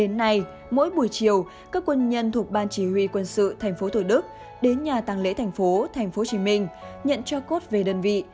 đến nay mỗi buổi chiều các quân nhân thuộc ban chỉ huy quân sự tp thủ đức đến nhà tàng lễ tp tp hcm nhận cho cốt về đơn vị